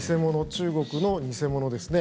中国の偽物ですね。